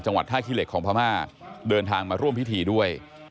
จังหวัดท่าขี้เหล็กของพระมากเดินทางมาร่วมพิธีด้วย